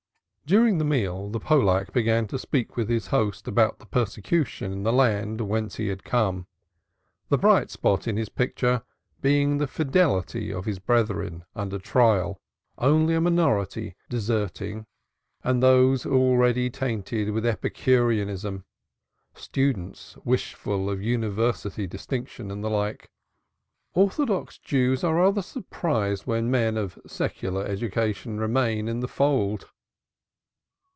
During the meal the Pollack began to speak with his host about the persecution in the land whence he had come, the bright spot in his picture being the fidelity of his brethren under trial, only a minority deserting and those already tainted with Epicureanism students wishful of University distinction and such like. Orthodox Jews are rather surprised when men of (secular) education remain in the fold.